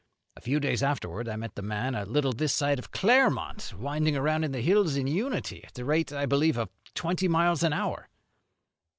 A few days afterwards I met the man a little this side of Claremont, winding around the hills in Unity, at the rate, I believe, of twenty miles an hour."